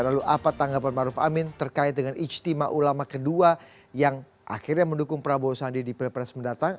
lalu apa tanggapan maruf amin terkait dengan ijtima ulama kedua yang akhirnya mendukung prabowo sandi di pilpres mendatang